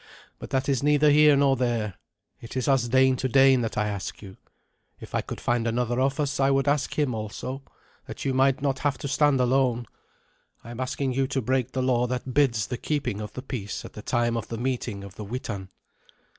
But that is neither here nor there; it is as Dane to Dane that I ask you. If I could find another of us I would ask him also, that you might not have to stand alone. I am asking you to break the law that bids the keeping of the peace at the time of the meeting of the Witan."